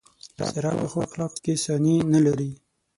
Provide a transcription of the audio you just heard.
ساره په ښو اخلاقو کې ثاني نه لري.